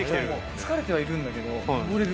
疲れてはいるんだけど、登れる。